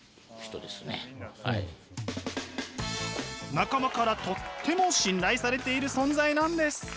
仲間からとっても信頼されている存在なんです。